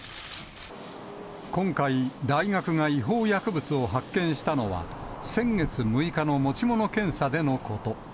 今回、大学が違法薬物を発見したのは、先月６日の持ち物検査でのこと。